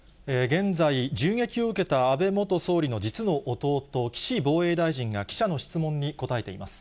現在、銃撃を受けた安倍元総理の実の弟、岸防衛大臣が記者の質問に答えています。